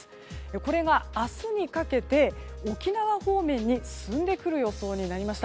これが明日にかけて沖縄方面に進んでくる様相になりました。